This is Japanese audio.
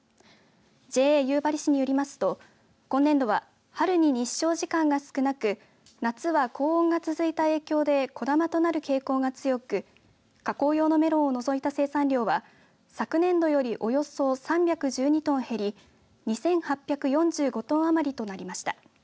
ＪＡ夕張市によりますと今年度は春に日照時間が少なく夏は高温が続いた影響で小玉となる傾向が強く加工用のメロンを除いた生産量は昨年度よりおよそ３１２トン減り２８４５トンあまりとなりました。